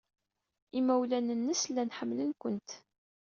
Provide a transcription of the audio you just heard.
Imawlan-nnes llan ḥemmlen-kent.